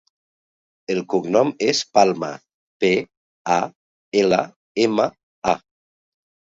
El cognom és Palma: pe, a, ela, ema, a.